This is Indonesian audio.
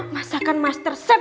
masakan master set